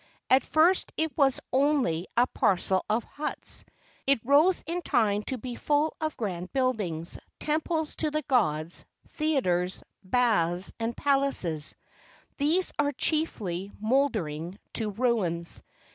At first it was only a parcel of huts : it rose in time to be full of grand buildings; temples to the gods, theatres, baths and palaces. These are chiefly mouldering to ruins.